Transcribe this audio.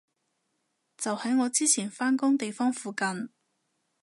就喺我之前返工地方附近